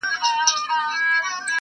له احوال د وطنونو باخبره،